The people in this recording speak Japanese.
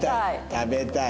「食べたい」。